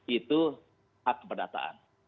itu hak perdataan